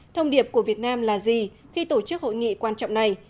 thông điệp của việt nam là gì khi tổ chức hội nghị quan trọng này